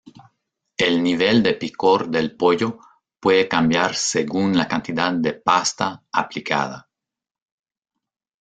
El nivel de picor del pollo puede cambiar según la cantidad de pasta aplicada.